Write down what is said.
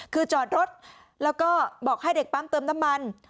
คือจอดรถแล้วก็บอกให้เด็กปั๊มเติมน้ำมัน